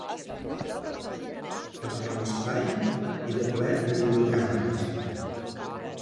Perquè l’espai era ple de videocàmeres.